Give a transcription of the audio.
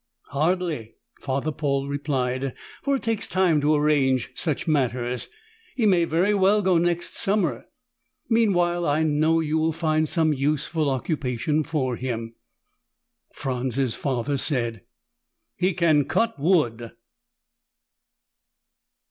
"Hardly," Father Paul replied, "for it takes time to arrange such matters. He may very well go next summer. Meanwhile, I know you will find some useful occupation for him." Franz's father said, "He can cut wood."